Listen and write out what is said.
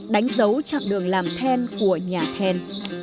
đánh dấu chặng đường làm then của nhà then